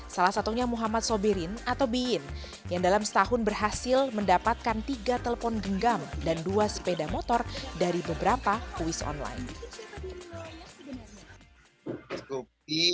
salah satunya muhammad sobirin atau biin yang dalam setahun berhasil mendapatkan tiga telepon genggam dan dua sepeda motor dari beberapa kuis online